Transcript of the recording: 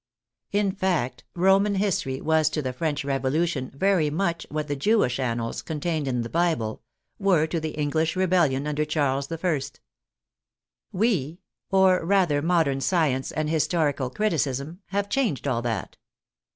In fact, Roman history was to the French Revolution very much what the Jewish annals, contained in the Bible, were to the English rebellion under Charles I. "We," or rather modern science and historical criticism, " have changed all that."